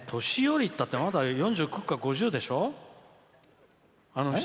年寄りっつったってまだ４９か５０でしょ？